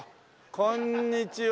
こんにちは。